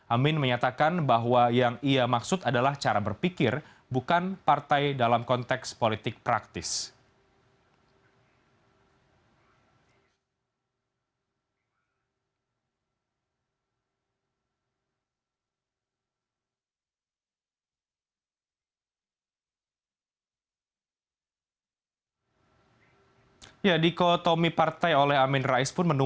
amin menyatakan bahwa yang ia maksud adalah cara berpikir bukan partai dalam konteks politik praktis